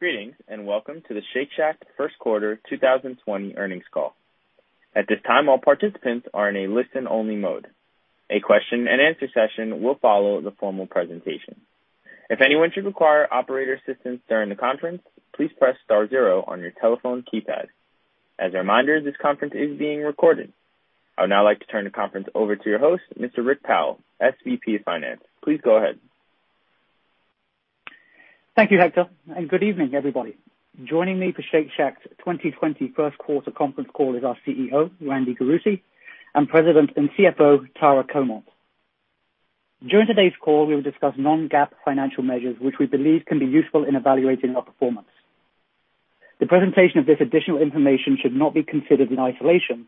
Greetings, and welcome to the Shake Shack first quarter 2020 earnings call. At this time, all participants are in a listen-only mode. A question and answer session will follow the formal presentation. If anyone should require operator assistance during the conference, please press star zero on your telephone keypad. As a reminder, this conference is being recorded. I would now like to turn the conference over to your host, Mr. Rik Powell, SVP of Finance. Please go ahead. Thank you, Hector, and good evening, everybody. Joining me for Shake Shack's 2020 first quarter conference call is our CEO, Randy Garutti, and President and CFO, Tara Comonte. During today's call, we will discuss non-GAAP financial measures which we believe can be useful in evaluating our performance. The presentation of this additional information should not be considered in isolation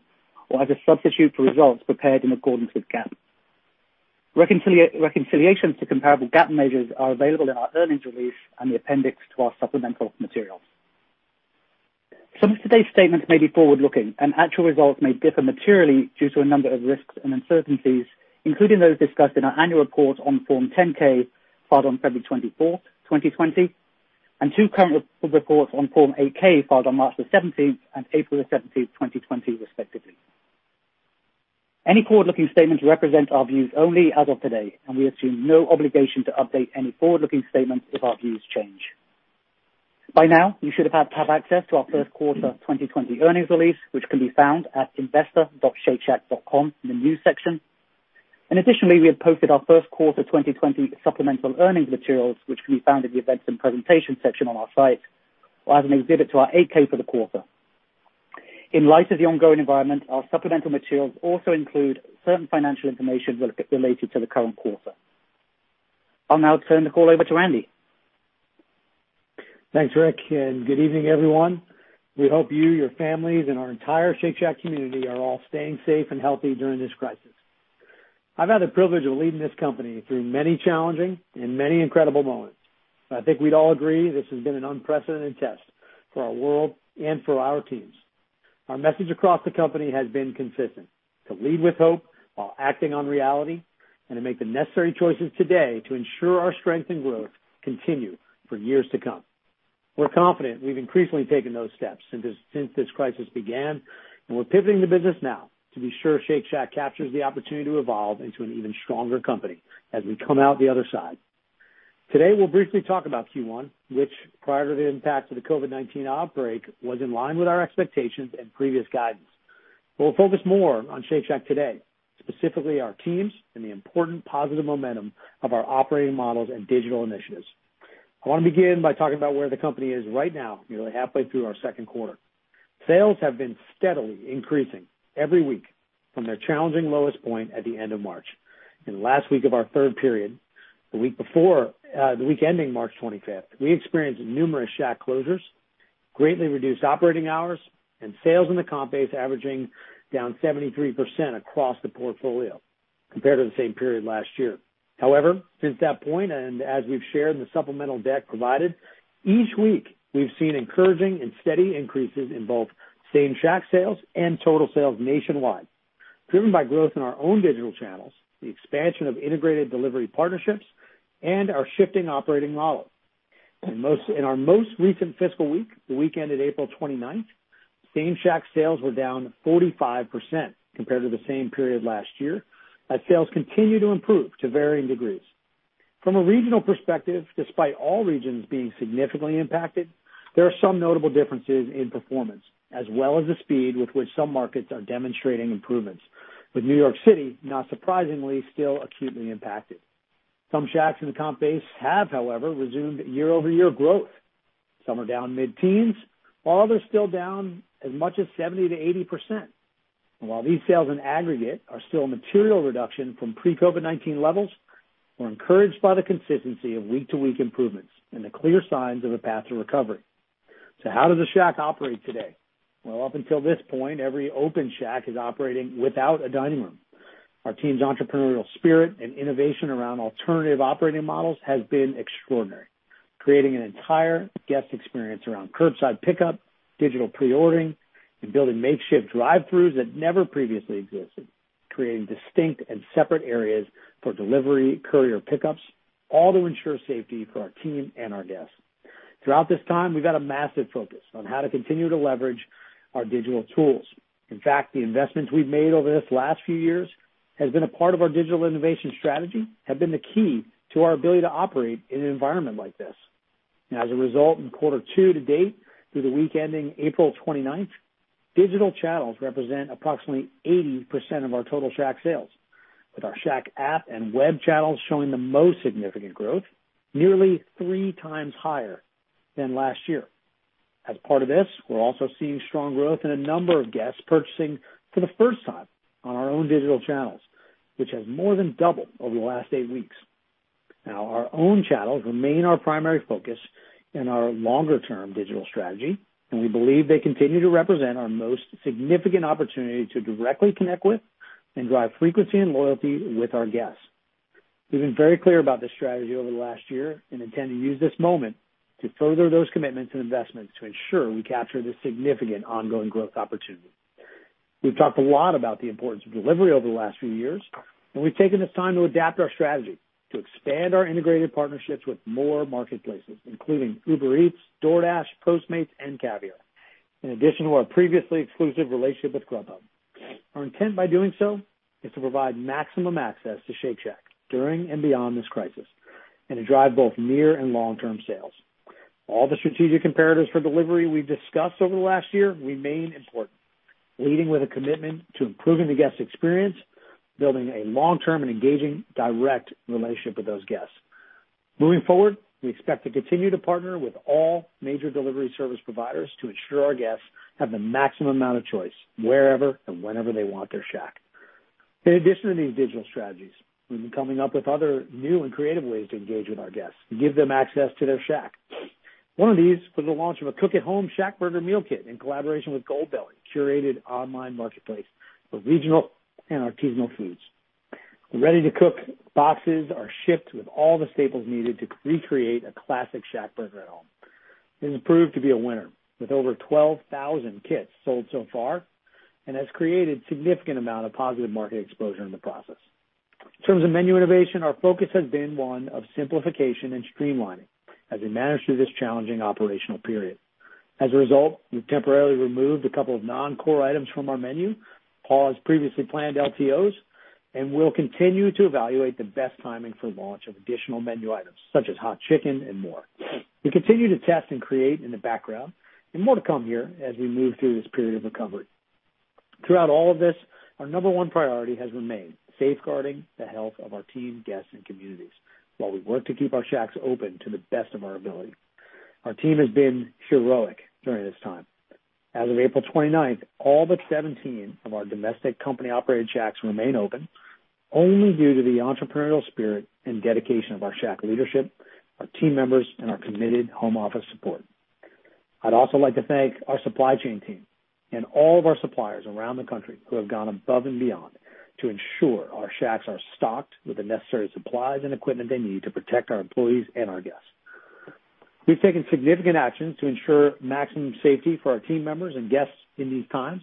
or as a substitute for results prepared in accordance with GAAP. Reconciliations to comparable GAAP measures are available in our earnings release and the appendix to our supplemental materials. Some of today's statements may be forward-looking and actual results may differ materially due to a number of risks and uncertainties, including those discussed in our annual report on Form 10-K filed on February 24, 2020, and two current reports on Form 8-K filed on March 17 and April 17, 2020, respectively. Any forward-looking statements represent our views only as of today, and we assume no obligation to update any forward-looking statements if our views change. By now, you should have had access to our first quarter 2020 earnings release, which can be found at investor.shakeshack.com in the new section. Additionally, we have posted our first quarter 2020 supplemental earnings materials, which can be found in the Events and Presentation section on our site or as an exhibit to our 8-K for the quarter. In light of the ongoing environment, our supplemental materials also include certain financial information related to the current quarter. I'll now turn the call over to Randy. Thanks, Rik. Good evening, everyone. We hope you, your families, and our entire Shake Shack community are all staying safe and healthy during this crisis. I've had the privilege of leading this company through many challenging and many incredible moments. I think we'd all agree this has been an unprecedented test for our world and for our teams. Our message across the company has been consistent, to lead with hope while acting on reality and to make the necessary choices today to ensure our strength and growth continue for years to come. We're confident we've increasingly taken those steps since this crisis began. We're pivoting the business now to be sure Shake Shack captures the opportunity to evolve into an even stronger company as we come out the other side. Today, we'll briefly talk about Q1, which prior to the impact of the COVID-19 outbreak, was in line with our expectations and previous guidance. We'll focus more on Shake Shack today, specifically our teams and the important positive momentum of our operating models and digital initiatives. I want to begin by talking about where the company is right now, nearly halfway through our second quarter. Sales have been steadily increasing every week from their challenging lowest point at the end of March. In the last week of our third period, the week ending March 25th, we experienced numerous Shack closures, greatly reduced operating hours, and sales in the comp base averaging down 73% across the portfolio compared to the same period last year. However, since that point, and as we've shared in the supplemental deck provided, each week we've seen encouraging and steady increases in both Same-Shack sales and total sales nationwide, driven by growth in our own digital channels, the expansion of integrated delivery partnerships, and our shifting operating model. In our most recent fiscal week, the week ending April 29th, Same-Shack sales were down 45% compared to the same period last year as sales continue to improve to varying degrees. From a regional perspective, despite all regions being significantly impacted, there are some notable differences in performance, as well as the speed with which some markets are demonstrating improvements, with New York City, not surprisingly, still acutely impacted. Some Shacks in the comp base have, however, resumed year-over-year growth. Some are down mid-teens, while others still down as much as 70%-80%. While these sales in aggregate are still a material reduction from pre-COVID-19 levels, we're encouraged by the consistency of week-to-week improvements and the clear signs of a path to recovery. How does a Shack operate today? Well, up until this point, every open Shack is operating without a dining room. Our team's entrepreneurial spirit and innovation around alternative operating models has been extraordinary. Creating an entire guest experience around curbside pickup, digital pre-ordering, and building makeshift drive-throughs that never previously existed, creating distinct and separate areas for delivery, courier pickups, all to ensure safety for our team and our guests. Throughout this time, we've had a massive focus on how to continue to leverage our digital tools. In fact, the investments we've made over this last few years as part of our digital innovation strategy have been the key to our ability to operate in an environment like this. As a result, in quarter two to date, through the week ending April 29th, digital channels represent approximately 80% of our total Shack sales, with our Shack app and web channels showing the most significant growth, nearly three times higher than last year. As part of this, we're also seeing strong growth in a number of guests purchasing for the first time on our own digital channels, which has more than doubled over the last eight weeks. Our own channels remain our primary focus in our longer-term digital strategy, and we believe they continue to represent our most significant opportunity to directly connect with and drive frequency and loyalty with our guests. We've been very clear about this strategy over the last year and intend to use this moment to further those commitments and investments to ensure we capture this significant ongoing growth opportunity. We've talked a lot about the importance of delivery over the last few years, and we've taken this time to adapt our strategy to expand our integrated partnerships with more marketplaces, including Uber Eats, DoorDash, Postmates, and Caviar, in addition to our previously exclusive relationship with Grubhub. Our intent by doing so is to provide maximum access to Shake Shack during and beyond this crisis and to drive both near and long-term sales. All the strategic imperatives for delivery we've discussed over the last year remain important, leading with a commitment to improving the guest experience, building a long-term and engaging direct relationship with those guests. Moving forward, we expect to continue to partner with all major delivery service providers to ensure our guests have the maximum amount of choice wherever and whenever they want their Shack. In addition to these digital strategies, we've been coming up with other new and creative ways to engage with our guests to give them access to their Shack. One of these was the launch of a Cook at Home ShackBurger meal kit in collaboration with Goldbelly, a curated online marketplace for regional and artisanal foods. The ready-to-cook boxes are shipped with all the staples needed to recreate a classic ShackBurger at home. This has proved to be a winner, with over 12,000 kits sold so far and has created a significant amount of positive market exposure in the process. In terms of menu innovation, our focus has been one of simplification and streamlining as we manage through this challenging operational period. As a result, we've temporarily removed a couple of non-core items from our menu, paused previously planned LTOs, and will continue to evaluate the best timing for launch of additional menu items such as hot chicken and more. We continue to test and create in the background, and more to come here as we move through this period of recovery. Throughout all of this, our number one priority has remained safeguarding the health of our team, guests, and communities while we work to keep our Shacks open to the best of our ability. Our team has been heroic during this time. As of April 29th, all but 17 of our domestic company-operated Shacks remain open only due to the entrepreneurial spirit and dedication of our Shack leadership, our team members, and our committed home office support. I'd also like to thank our supply chain team and all of our suppliers around the country who have gone above and beyond to ensure our Shacks are stocked with the necessary supplies and equipment they need to protect our employees and our guests. We've taken significant actions to ensure maximum safety for our team members and guests in these times,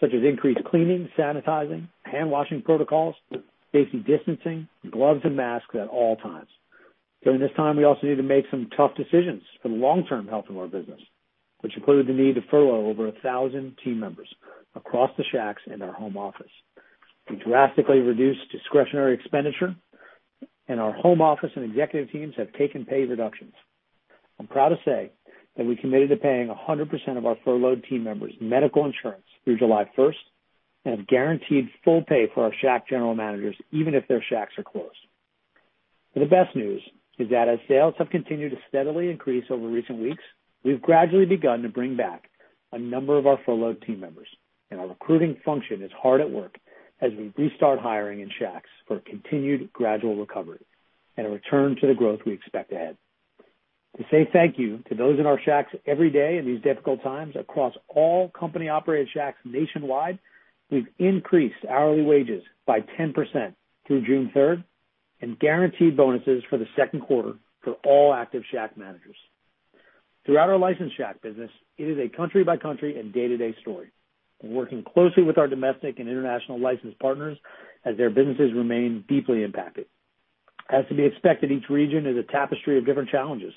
such as increased cleaning, sanitizing, handwashing protocols, basic distancing, gloves, and masks at all times. During this time, we also need to make some tough decisions for the long-term health of our business, which included the need to furlough over 1,000 team members across the Shacks and our home office. We drastically reduced discretionary expenditure, and our home office and executive teams have taken pay reductions. I'm proud to say that we committed to paying 100% of our furloughed team members' medical insurance through July 1st and have guaranteed full pay for our Shack general managers even if their Shacks are closed. The best news is that as sales have continued to steadily increase over recent weeks, we've gradually begun to bring back a number of our furloughed team members, and our recruiting function is hard at work as we restart hiring in Shacks for a continued gradual recovery and a return to the growth we expect ahead. To say thank you to those in our Shacks every day in these difficult times across all company-operated Shacks nationwide, we've increased hourly wages by 10% through June 3rd and guaranteed bonuses for the second quarter for all active Shack managers. Throughout our licensed Shack business, it is a country-by-country and day-to-day story. We're working closely with our domestic and international licensed partners as their businesses remain deeply impacted. As to be expected, each region is a tapestry of different challenges,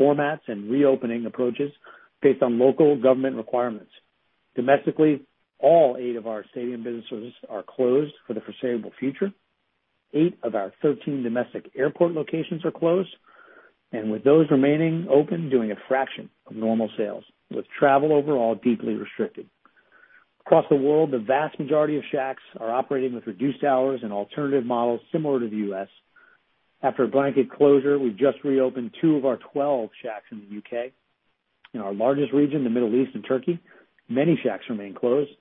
formats, and reopening approaches based on local government requirements. Domestically, all eight of our stadium businesses are closed for the foreseeable future. Eight of our 13 domestic airport locations are closed, and with those remaining open, doing a fraction of normal sales, with travel overall deeply restricted. Across the world, the vast majority of Shacks are operating with reduced hours and alternative models similar to the U.S. After a blanket closure, we've just reopened two of our 12 Shacks in the U.K. In our largest region, the Middle East and Turkey, many Shacks remain closed,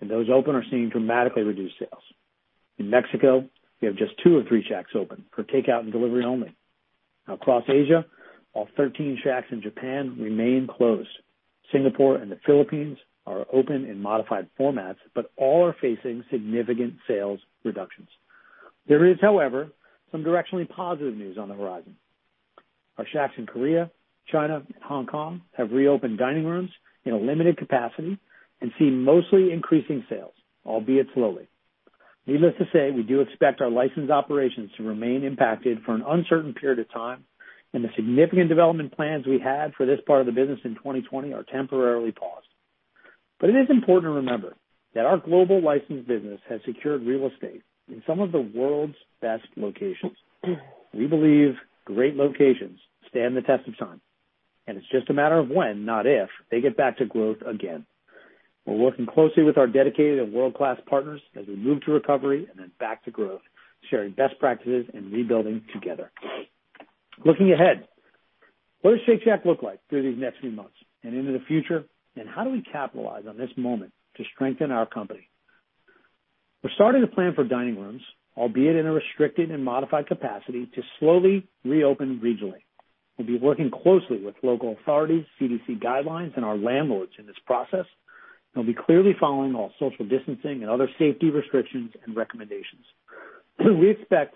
and those open are seeing dramatically reduced sales. In Mexico, we have just two or three Shacks open for takeout and delivery only. Across Asia, all 13 Shacks in Japan remain closed. Singapore and the Philippines are open in modified formats, but all are facing significant sales reductions. There is, however, some directionally positive news on the horizon. Our Shacks in Korea, China, and Hong Kong have reopened dining rooms in a limited capacity and see mostly increasing sales, albeit slowly. Needless to say, we do expect our licensed operations to remain impacted for an uncertain period of time, and the significant development plans we had for this part of the business in 2020 are temporarily paused. It is important to remember that our global licensed business has secured real estate in some of the world's best locations. We believe great locations stand the test of time, and it's just a matter of when, not if, they get back to growth again. We're working closely with our dedicated and world-class partners as we move to recovery and then back to growth, sharing best practices and rebuilding together. Looking ahead, what does Shake Shack look like through these next few months and into the future, and how do we capitalize on this moment to strengthen our company? We're starting to plan for dining rooms, albeit in a restricted and modified capacity, to slowly reopen regionally. We'll be working closely with local authorities, CDC guidelines, and our landlords in this process, and we'll be clearly following all social distancing and other safety restrictions and recommendations. We expect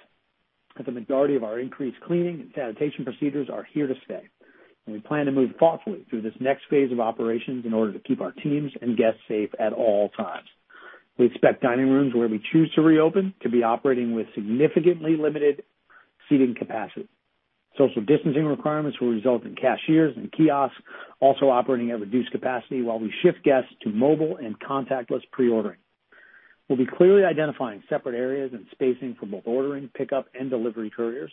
that the majority of our increased cleaning and sanitation procedures are here to stay, and we plan to move thoughtfully through this next phase of operations in order to keep our teams and guests safe at all times. We expect dining rooms where we choose to reopen to be operating with significantly limited seating capacity. Social distancing requirements will result in cashiers and kiosks also operating at reduced capacity while we shift guests to mobile and contactless pre-ordering. We'll be clearly identifying separate areas and spacing for both ordering, pickup, and delivery couriers.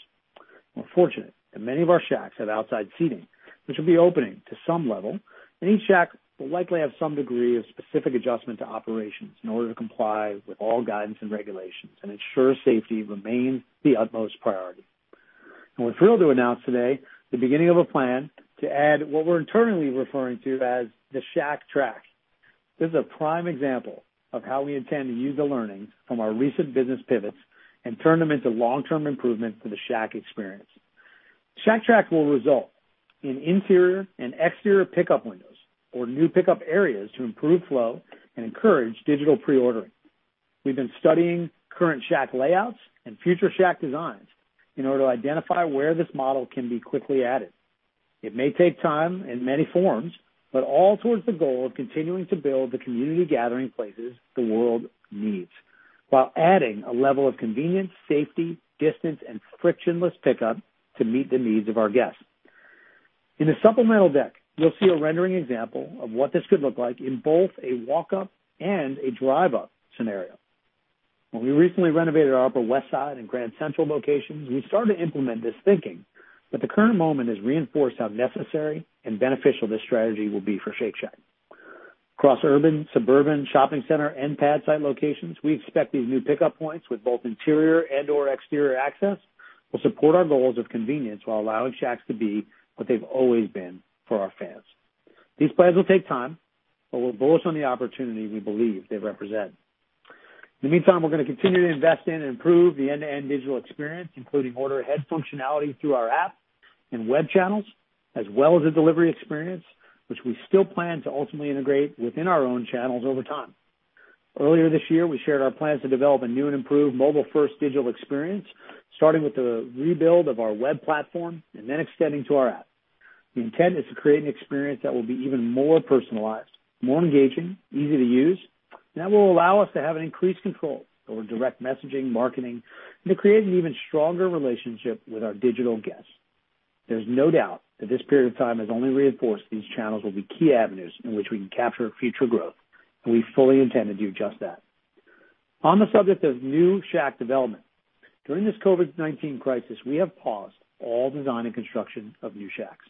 We're fortunate that many of our Shacks have outside seating, which will be opening to some level, and each Shack will likely have some degree of specific adjustment to operations in order to comply with all guidance and regulations and ensure safety remains the utmost priority. We're thrilled to announce today the beginning of a plan to add what we're internally referring to as the Shack Track. This is a prime example of how we intend to use the learnings from our recent business pivots and turn them into long-term improvements to the Shack experience. Shack Track will result in interior and exterior pickup windows or new pickup areas to improve flow and encourage digital pre-ordering. We've been studying current Shack layouts and future Shack designs in order to identify where this model can be quickly added. It may take time in many forms, but all towards the goal of continuing to build the community gathering places the world needs while adding a level of convenience, safety, distance, and frictionless pickup to meet the needs of our guests. In the supplemental deck, you'll see a rendering example of what this could look like in both a walk-up and a drive-up scenario. When we recently renovated our Upper West Side and Grand Central locations, we started to implement this thinking, but the current moment has reinforced how necessary and beneficial this strategy will be for Shake Shack. Across urban, suburban, shopping center, and pad site locations, we expect these new pickup points with both interior and/or exterior access will support our goals of convenience while allowing Shacks to be what they've always been for our fans. These plans will take time, but we're bullish on the opportunity we believe they represent. In the meantime, we're going to continue to invest in and improve the end-to-end digital experience, including order ahead functionality through our app and web channels, as well as the delivery experience, which we still plan to ultimately integrate within our own channels over time. Earlier this year, we shared our plans to develop a new and improved mobile-first digital experience, starting with the rebuild of our web platform and then extending to our app. The intent is to create an experience that will be even more personalized, more engaging, easy to use, and that will allow us to have an increased control over direct messaging, marketing, and to create an even stronger relationship with our digital guests. There's no doubt that this period of time has only reinforced these channels will be key avenues in which we can capture future growth, and we fully intend to do just that. On the subject of new Shack development, during this COVID-19 crisis, we have paused all design and construction of new Shacks.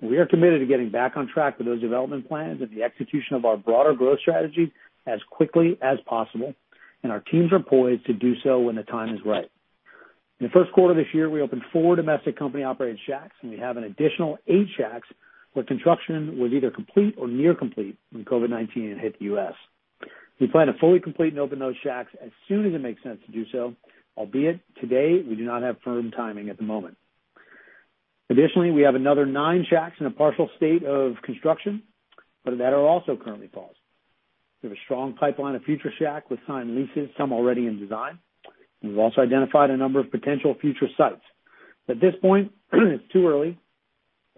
We are committed to getting back on track with those development plans and the execution of our broader growth strategy as quickly as possible, and our teams are poised to do so when the time is right. In the first quarter of this year, we opened four domestic company-operated Shacks, and we have an additional eight Shacks where construction was either complete or near complete when COVID-19 hit the U.S. We plan to fully complete and open those Shacks as soon as it makes sense to do so, albeit today, we do not have firm timing at the moment. We have another nine Shacks in a partial state of construction, but that are also currently paused. We have a strong pipeline of future Shack with signed leases, some already in design. We've also identified a number of potential future sites. At this point, it's too early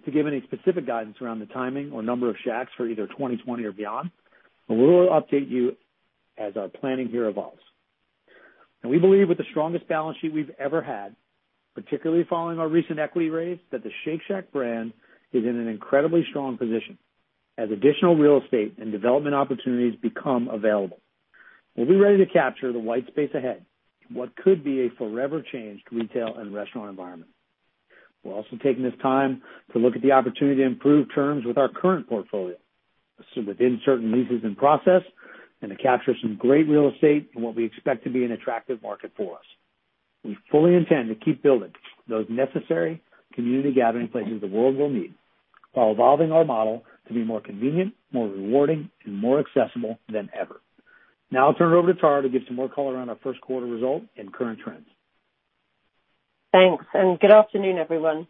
to give any specific guidance around the timing or number of Shacks for either 2020 or beyond, but we will update you as our planning here evolves. We believe with the strongest balance sheet we've ever had, particularly following our recent equity raise, that the Shake Shack brand is in an incredibly strong position as additional real estate and development opportunities become available. We'll be ready to capture the white space ahead in what could be a forever changed retail and restaurant environment. We're also taking this time to look at the opportunity to improve terms with our current portfolio, within certain leases in process, and to capture some great real estate in what we expect to be an attractive market for us. We fully intend to keep building those necessary community gathering places the world will need while evolving our model to be more convenient, more rewarding, and more accessible than ever. Now I'll turn it over to Tara to give some more color on our first quarter results and current trends. Thanks, good afternoon, everyone.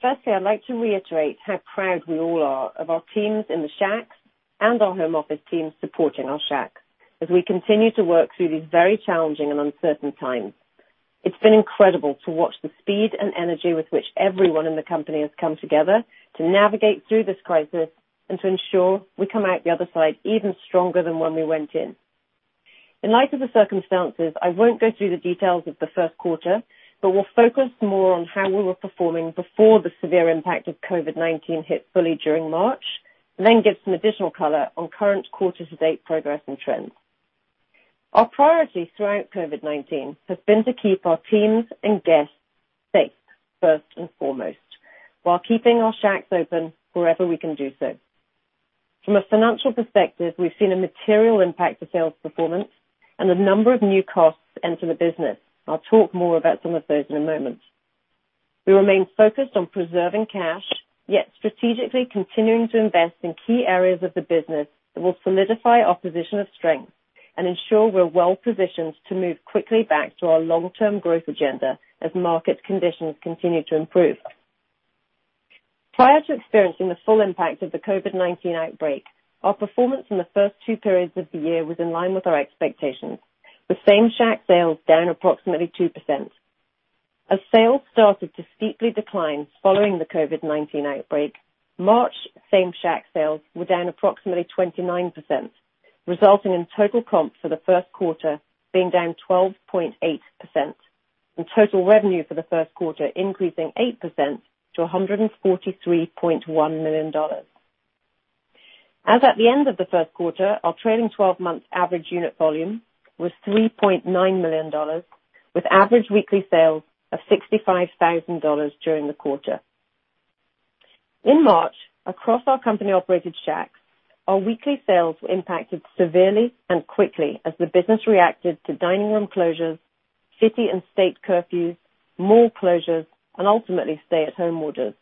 Firstly, I'd like to reiterate how proud we all are of our teams in the Shacks and our home office teams supporting our Shacks as we continue to work through these very challenging and uncertain times. It's been incredible to watch the speed and energy with which everyone in the company has come together to navigate through this crisis and to ensure we come out the other side even stronger than when we went in. In light of the circumstances, I won't go through the details of the first quarter. We'll focus more on how we were performing before the severe impact of COVID-19 hit fully during March then give some additional color on current quarter-to-date progress and trends. Our priorities throughout COVID-19 have been to keep our teams and guests safe first and foremost while keeping our Shacks open wherever we can do so. From a financial perspective, we've seen a material impact to sales performance and a number of new costs enter the business. I'll talk more about some of those in a moment. We remain focused on preserving cash, yet strategically continuing to invest in key areas of the business that will solidify our position of strength and ensure we're well positioned to move quickly back to our long-term growth agenda as market conditions continue to improve. Prior to experiencing the full impact of the COVID-19 outbreak, our performance in the first two periods of the year was in line with our expectations, with Same-Shack sales down approximately 2%. As sales started to steeply decline following the COVID-19 outbreak, March Same-Shack sales were down approximately 29%, resulting in total comp for the first quarter being down 12.8% and total revenue for the first quarter increasing 8% to $143.1 million. As at the end of the first quarter, our trailing 12-month average unit volume was $3.9 million, with average weekly sales of $65,000 during the quarter. In March, across our company-operated Shacks, our weekly sales were impacted severely and quickly as the business reacted to dining room closures, city and state curfews, mall closures, and ultimately stay-at-home orders.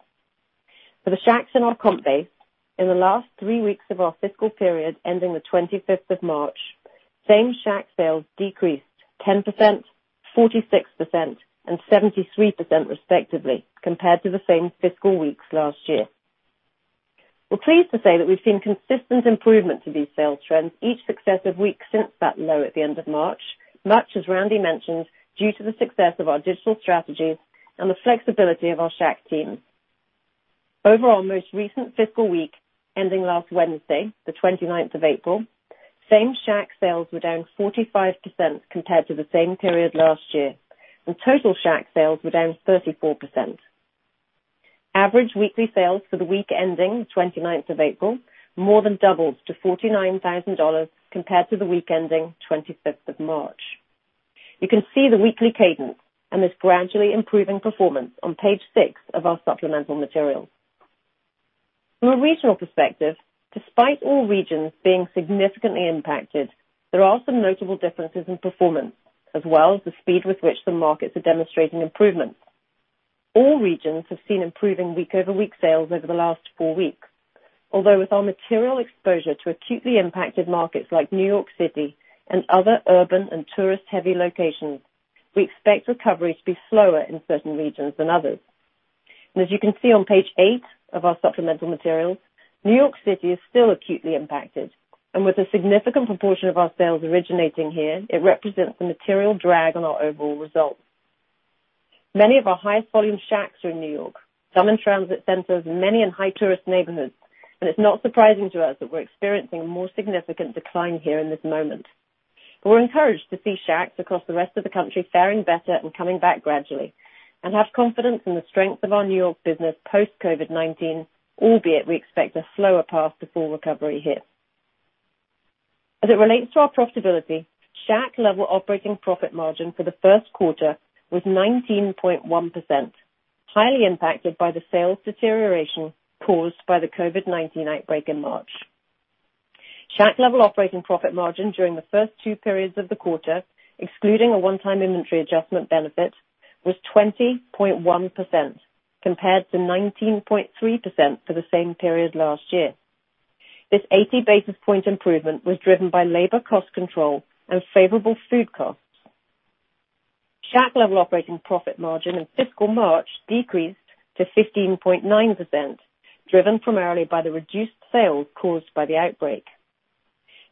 For the Shacks in our comp base, in the last three weeks of our fiscal period ending the 25th of March, Same-Shack sales decreased 10%, 46% and 73% respectively, compared to the same fiscal weeks last year. We're pleased to say that we've seen consistent improvement to these sales trends each successive week since that low at the end of March, much as Randy mentioned, due to the success of our digital strategies and the flexibility of our Shack team. Over our most recent fiscal week, ending last Wednesday, the 29th of April, Same-Shack sales were down 45% compared to the same period last year, and total Shack sales were down 34%. Average weekly sales for the week ending the 29th of April more than doubled to $49,000 compared to the week ending 25th of March. You can see the weekly cadence and this gradually improving performance on page six of our supplemental materials. From a regional perspective, despite all regions being significantly impacted, there are some notable differences in performance as well as the speed with which the markets are demonstrating improvement. All regions have seen improving week-over-week sales over the last four weeks. Although with our material exposure to acutely impacted markets like New York City and other urban and tourist-heavy locations, we expect recovery to be slower in certain regions than others. As you can see on page eight of our supplemental materials, New York City is still acutely impacted, and with a significant proportion of our sales originating here, it represents a material drag on our overall results. Many of our highest volume Shacks are in New York, some in transit centers, many in high tourist neighborhoods, it's not surprising to us that we're experiencing a more significant decline here in this moment. We're encouraged to see Shacks across the rest of the country faring better and coming back gradually, and have confidence in the strength of our New York business post-COVID-19, albeit we expect a slower path to full recovery here. As it relates to our profitability, Shack-level operating profit margin for the first quarter was 19.1%, highly impacted by the sales deterioration caused by the COVID-19 outbreak in March. Shack-level operating profit margin during the first two periods of the quarter, excluding a one-time inventory adjustment benefit, was 20.1% compared to 19.3% for the same period last year. This 80 basis point improvement was driven by labor cost control and favorable food costs. Shack-level operating profit margin in fiscal March decreased to 15.9%, driven primarily by the reduced sales caused by the outbreak.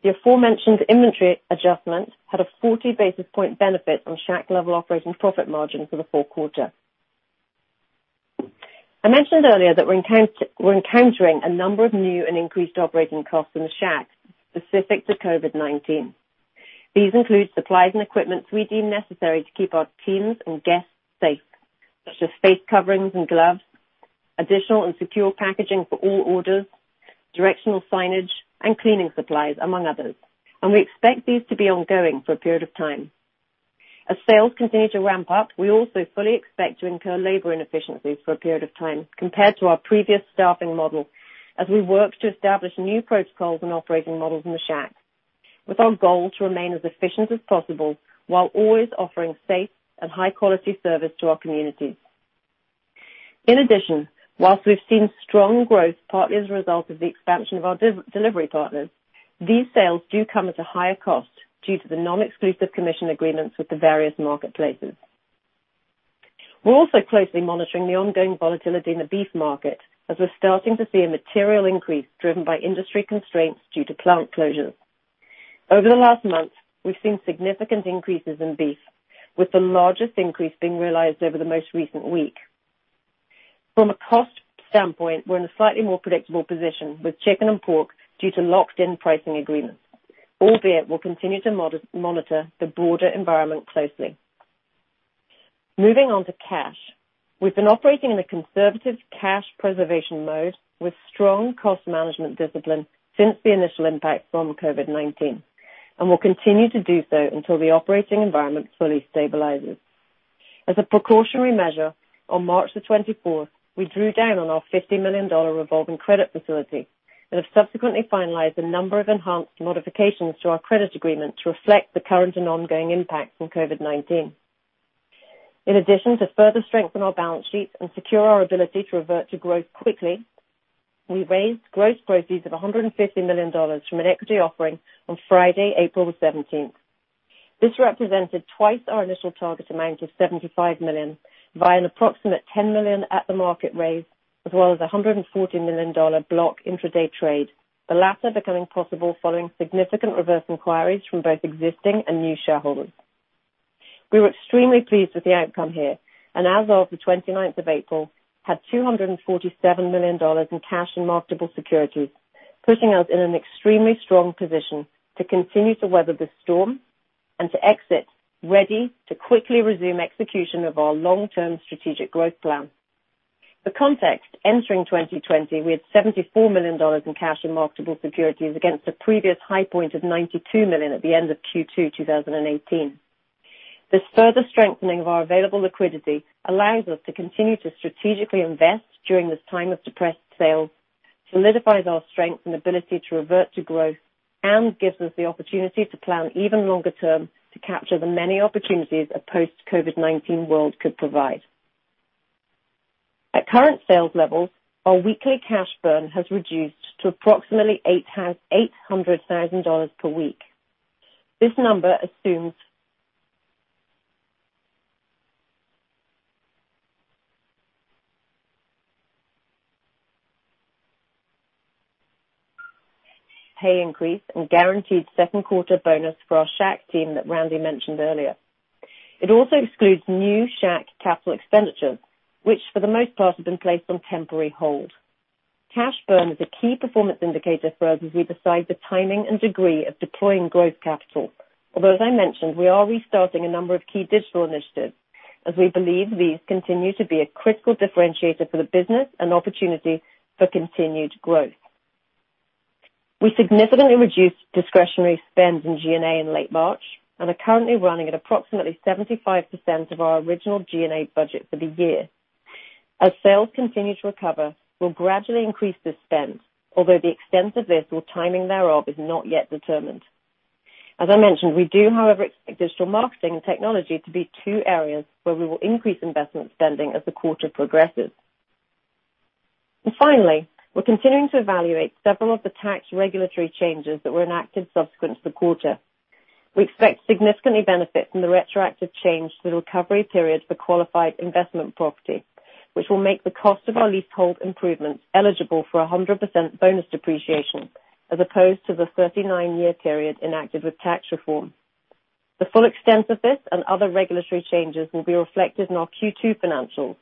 The aforementioned inventory adjustment had a 40 basis point benefit on Shack-level operating profit margin for the full quarter. I mentioned earlier that we're encountering a number of new and increased operating costs in the Shack specific to COVID-19. These include supplies and equipment we deem necessary to keep our teams and guests safe, such as face coverings and gloves, additional and secure packaging for all orders, directional signage, and cleaning supplies, among others. We expect these to be ongoing for a period of time. As sales continue to ramp up, we also fully expect to incur labor inefficiencies for a period of time compared to our previous staffing model as we work to establish new protocols and operating models in the Shack. With our goal to remain as efficient as possible while always offering safe and high-quality service to our communities. In addition, whilst we've seen strong growth partly as a result of the expansion of our delivery partners, these sales do come at a higher cost due to the non-exclusive commission agreements with the various marketplaces. We're also closely monitoring the ongoing volatility in the beef market as we're starting to see a material increase driven by industry constraints due to plant closures. Over the last month, we've seen significant increases in beef, with the largest increase being realized over the most recent week. From a cost standpoint, we're in a slightly more predictable position with chicken and pork due to locked-in pricing agreements. Albeit, we'll continue to monitor the broader environment closely. Moving on to cash. We've been operating in a conservative cash preservation mode with strong cost management discipline since the initial impact from COVID-19, and will continue to do so until the operating environment fully stabilizes. As a precautionary measure, on March the 24th, we drew down on our $50 million revolving credit facility and have subsequently finalized a number of enhanced modifications to our credit agreement to reflect the current and ongoing impact from COVID-19. To further strengthen our balance sheet and secure our ability to revert to growth quickly. We raised gross proceeds of $150 million from an equity offering on Friday, April 17th. This represented twice our initial target amount of $75 million, via an approximate $10 million at-the-market raise, as well as a $140 million block intraday trade, the latter becoming possible following significant reverse inquiries from both existing and new shareholders. We were extremely pleased with the outcome here, and as of the 29th of April, had $247 million in cash and marketable securities, putting us in an extremely strong position to continue to weather this storm and to exit ready to quickly resume execution of our long-term strategic growth plan. For context, entering 2020, we had $74 million in cash and marketable securities against a previous high point of $92 million at the end of Q2 2018. This further strengthening of our available liquidity allows us to continue to strategically invest during this time of depressed sales, solidifies our strength and ability to revert to growth, and gives us the opportunity to plan even longer term to capture the many opportunities a post-COVID-19 world could provide. At current sales levels, our weekly cash burn has reduced to approximately $800,000 per week. This number assumes pay increase and guaranteed second quarter bonus for our Shack team that Randy mentioned earlier. It also excludes new Shack capital expenditures, which for the most part, have been placed on temporary hold. Cash burn is a key performance indicator for us as we decide the timing and degree of deploying growth capital. Although, as I mentioned, we are restarting a number of key digital initiatives, as we believe these continue to be a critical differentiator for the business and opportunity for continued growth. We significantly reduced discretionary spend in G&A in late March, and are currently running at approximately 75% of our original G&A budget for the year. As sales continue to recover, we'll gradually increase this spend, although the extent of this or timing thereof is not yet determined. As I mentioned, we do, however, expect digital marketing and technology to be two areas where we will increase investment spending as the quarter progresses. Finally, we're continuing to evaluate several of the tax regulatory changes that were enacted subsequent to the quarter. We expect to significantly benefit from the retroactive change to the recovery period for qualified investment property, which will make the cost of our leasehold improvements eligible for 100% bonus depreciation, as opposed to the 39-year period enacted with tax reform. The full extent of this and other regulatory changes will be reflected in our Q2 financials,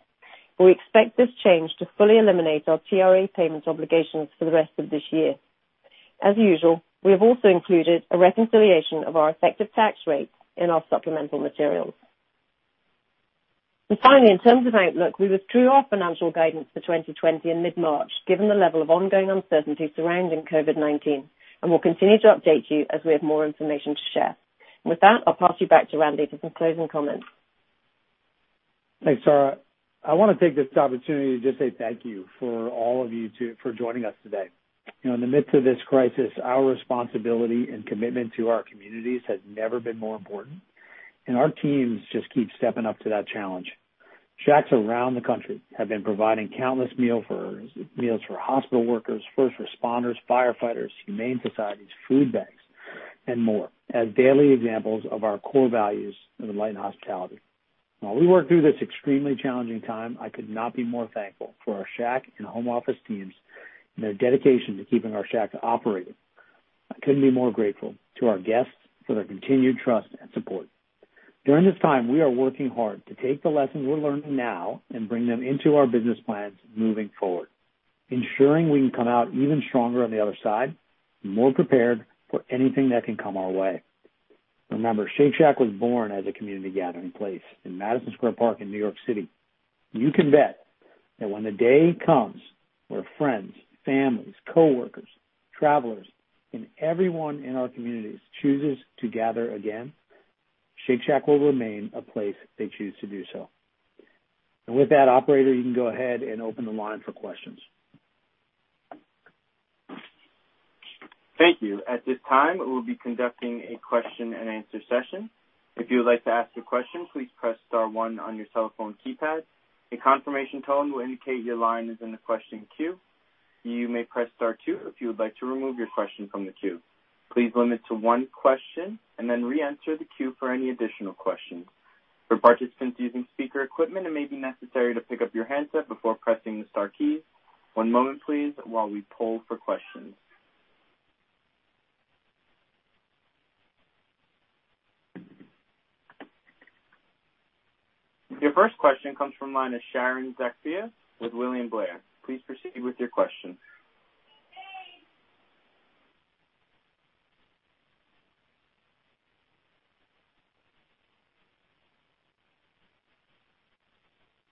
but we expect this change to fully eliminate our TRA payment obligations for the rest of this year. As usual, we have also included a reconciliation of our effective tax rate in our supplemental materials. Finally, in terms of outlook, we withdrew our financial guidance for 2020 in mid-March, given the level of ongoing uncertainty surrounding COVID-19. We'll continue to update you as we have more information to share. With that, I'll pass you back to Randy for some closing comments. Thanks, Tara. I want to take this opportunity to just say thank you for all of you for joining us today. In the midst of this crisis, our responsibility and commitment to our communities has never been more important, and our teams just keep stepping up to that challenge. Shacks around the country have been providing countless meals for hospital workers, first responders, firefighters, humane societies, food banks, and more, as daily examples of our core values of enlightened hospitality. While we work through this extremely challenging time, I could not be more thankful for our Shack and home office teams and their dedication to keeping our Shacks operating. I couldn't be more grateful to our guests for their continued trust and support. During this time, we are working hard to take the lessons we're learning now and bring them into our business plans moving forward, ensuring we can come out even stronger on the other side, and more prepared for anything that can come our way. Remember, Shake Shack was born as a community gathering place in Madison Square Park in New York City. You can bet that when the day comes where friends, families, coworkers, travelers, and everyone in our communities chooses to gather again, Shake Shack will remain a place they choose to do so. With that, operator, you can go ahead and open the line for questions. Thank you. At this time, we will be conducting a question-and-answer session. If you would like to ask a question, please press star one on your cellphone keypad. A confirmation tone will indicate your line is in the question queue. You may press star two if you would like to remove your question from the queue. Please limit to one question and then reenter the queue for any additional questions. For participants using speaker equipment, it may be necessary to pick up your handset before pressing the star key. One moment, please, while we poll for questions. Your first question comes from the line of Sharon Zackfia with William Blair. Please proceed with your question.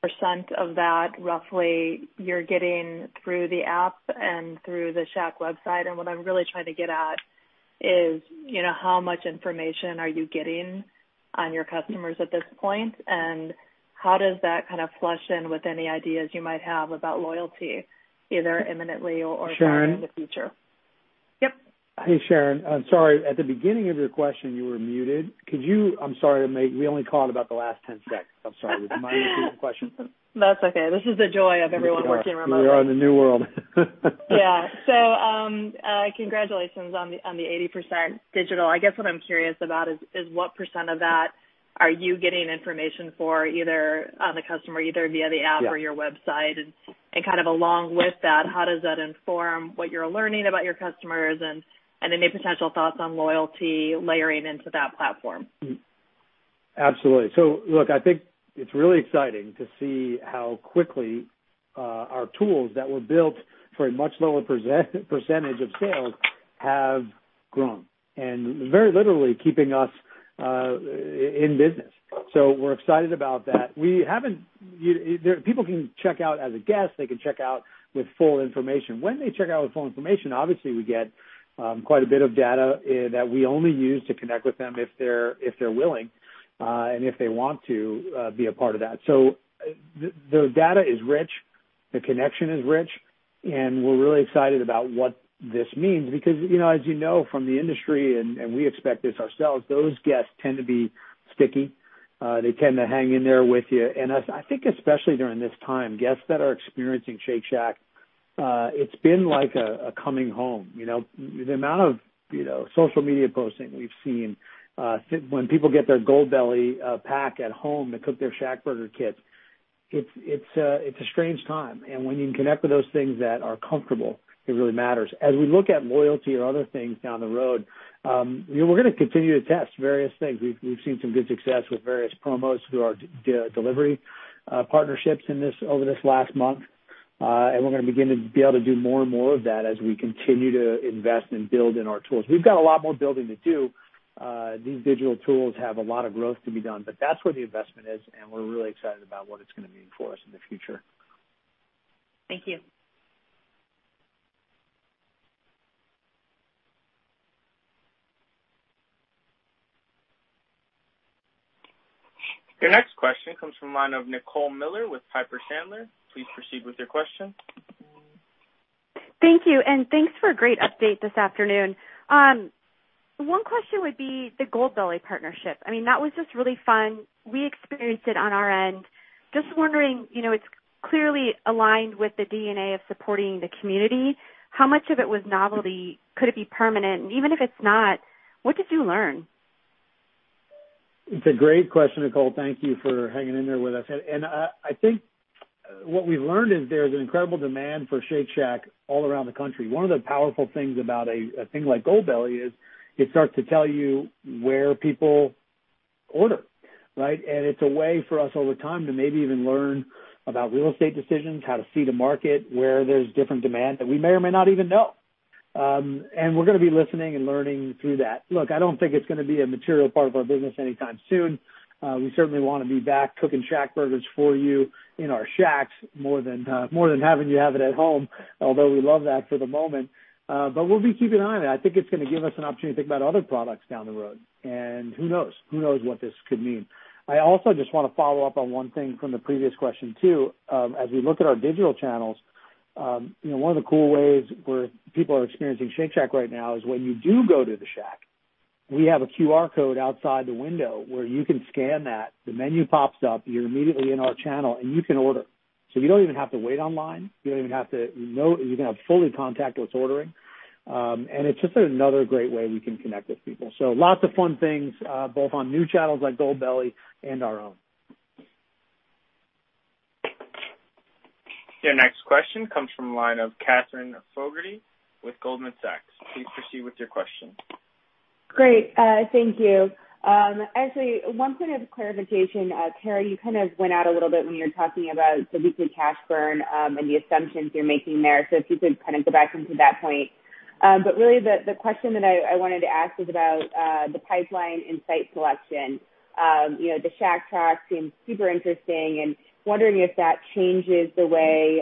percent of that, roughly, you're getting through the app and through the Shack website. What I'm really trying to get at is how much information are you getting on your customers at this point, and how does that kind of flush in with any ideas you might have about loyalty, either imminently or far into the future? Yep. Hey, Sharon. I'm sorry. At the beginning of your question, you were muted. I'm sorry, we only caught about the last 10 seconds. I'm sorry. Would you mind repeating the question? That's okay. This is the joy of everyone working remotely. We are in the new world. Yeah. Congratulations on the 80% digital. I guess what I'm curious about is what percent of that are you getting information for either on the customer, either via the app or your website? Yeah. Kind of along with that, how does that inform what you're learning about your customers and any potential thoughts on loyalty layering into that platform? Absolutely. I think it's really exciting to see how quickly our tools that were built for a much lower percentage of sales have grown and very literally keeping us in business. We're excited about that. People can check out as a guest. They can check out with full information. When they check out with full information, obviously, we get quite a bit of data that we only use to connect with them if they're willing, and if they want to be a part of that. The data is rich, the connection is rich, and we're really excited about what this means because as you know from the industry, and we expect this ourselves, those guests tend to be sticky. They tend to hang in there with you. I think especially during this time, guests that are experiencing Shake Shack, it's been like a coming home. The amount of social media posting we've seen, when people get their Goldbelly pack at home to cook their ShackBurger kits, it's a strange time. When you can connect with those things that are comfortable, it really matters. As we look at loyalty and other things down the road, we're going to continue to test various things. We've seen some good success with various promos through our delivery partnerships over this last month. We're going to begin to be able to do more and more of that as we continue to invest and build in our tools. We've got a lot more building to do. These digital tools have a lot of growth to be done, but that's where the investment is, and we're really excited about what it's going to mean for us in the future. Thank you. Your next question comes from the line of Nicole Miller with Piper Sandler. Please proceed with your question. Thank you. Thanks for a great update this afternoon. One question would be the Goldbelly partnership. I mean, that was just really fun. We experienced it on our end. Just wondering, it's clearly aligned with the DNA of supporting the community. How much of it was novelty? Could it be permanent? Even if it's not, what did you learn? It's a great question, Nicole. Thank you for hanging in there with us. I think what we've learned is there's an incredible demand for Shake Shack all around the country. One of the powerful things about a thing like Goldbelly is it starts to tell you where people order, right? It's a way for us over time to maybe even learn about real estate decisions, how to see the market, where there's different demand that we may or may not even know. We're going to be listening and learning through that. Look, I don't think it's going to be a material part of our business anytime soon. We certainly want to be back cooking ShackBurgers for you in our Shacks more than having you have it at home, although we love that for the moment. We'll be keeping an eye on it. I think it's going to give us an opportunity to think about other products down the road. Who knows? Who knows what this could mean. I also just want to follow up on one thing from the previous question, too. As we look at our digital channels, one of the cool ways where people are experiencing Shake Shack right now is when you do go to the Shack, we have a QR code outside the window where you can scan that. The menu pops up, you're immediately in our channel, and you can order. You don't even have to wait online. You can have fully contactless ordering. It's just another great way we can connect with people. Lots of fun things, both on new channels like Goldbelly and our own. Your next question comes from the line of Katherine Fogertey with Goldman Sachs. Please proceed with your question. Great. Thank you. Actually, one point of clarification. Tara, you kind of went out a little bit when you were talking about the weekly cash burn, and the assumptions you're making there. If you could kind of go back into that point. Really, the question that I wanted to ask is about the pipeline and site selection. The Shack Track seems super interesting, and wondering if that changes the way,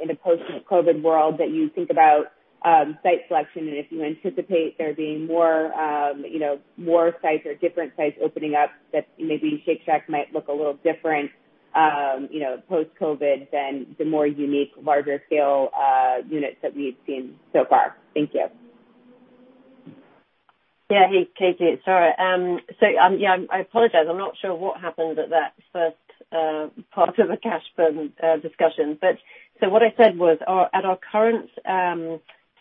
in a post-COVID world, that you think about site selection and if you anticipate there being more sites or different sites opening up that maybe Shake Shack might look a little different post-COVID than the more unique, larger scale units that we've seen so far. Thank you. Hey, Katie. Sorry. Yeah, I apologize. I'm not sure what happened at that first part of the cash burn discussion. What I said was at our current